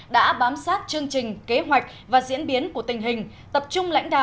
đã bám sát chương trình kế hoạch và diễn biến của tình hình